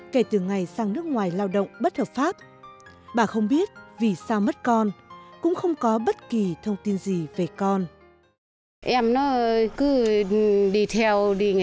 kể từ ngày sang nước ngoài lao động bất hợp pháp bà không biết vì sao mất con cũng không có bất kỳ thông tin gì về con